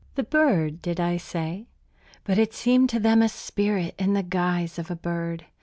The bird, did I say? But it seemed to them a spirit in the guise of a bird.